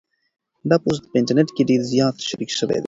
دا پوسټ په انټرنيټ کې ډېر زیات شریک شوی دی.